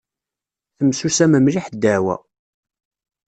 Temsumam mliḥ ddeɛwa.